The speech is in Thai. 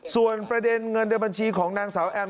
ส่วนประเด็นเงินในบัญชีของนางสาวแอม